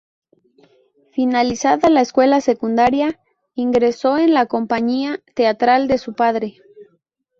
Finalizada la escuela secundaria, ingresó en la compañía teatral de su padre.